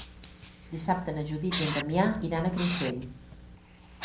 Dissabte na Judit i en Damià iran a Creixell.